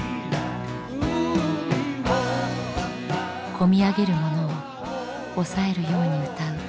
こみ上げるものを抑えるように歌う財津さん。